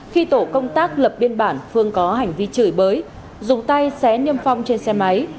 khi tổ công tác lập biên bản phương có hành vi chửi bới dùng tay xé niêm phong trên xe máy